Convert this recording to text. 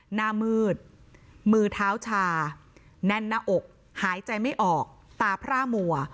หน้ามืดมือเท้าชาแน่นหน้าอกหายใจไม่ออกตาพร่ามัว